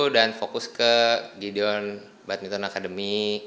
dan fokus ke gideon badminton academy